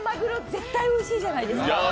絶対おいしいじゃないですか。